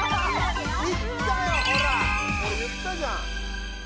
いったよほら俺言ったじゃん